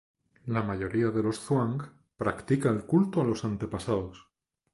La mayoría de los zhuang practica el culto a los antepasados.